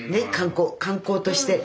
観光として。